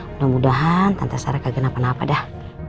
mudah mudahan tante sara kaget apa apa dah